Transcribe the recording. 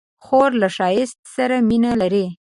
خور له ښایست سره مینه لري.